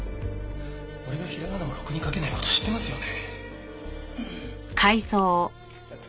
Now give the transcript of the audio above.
俺がひらがなもろくに書けない事知ってますよね？